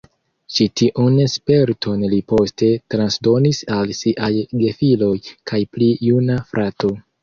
Ĉi tiun sperton li poste transdonis al siaj gefiloj kaj pli juna frato.